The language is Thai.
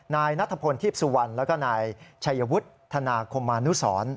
นายนัทพลทีพสุวรรณแล้วก็นายชัยวุฒิธนาคมมานุสร